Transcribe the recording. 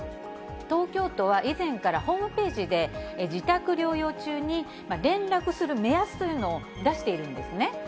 東京都は以前からホームページで、自宅療養中に連絡する目安というのを出しているんですね。